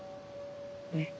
ねっ。